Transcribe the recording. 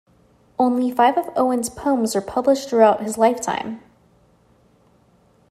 Only five of Owen's poems were published throughout his lifetime.